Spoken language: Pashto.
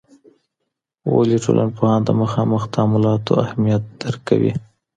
ولي ټولنپوهان د مخامخ تعاملاتو اهمیت درک کوي؟